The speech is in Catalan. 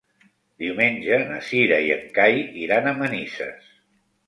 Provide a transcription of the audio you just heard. Diumenge na Cira i en Cai iran a Manises.